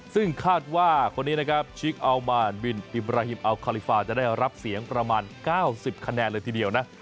ซึ่งคาดว่าคนนี้นะครับชิคอัลมานบินอิบราฮิมอัลคาลิฟาจะได้รับเสียงประมาณ๙๐คะแนนเลยทีเดียวนะ